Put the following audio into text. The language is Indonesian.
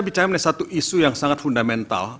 bicara mengenai satu isu yang sangat fundamental